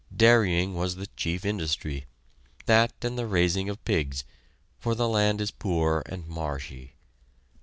Dairying was the chief industry; that and the raising of pigs, for the land is poor and marshy.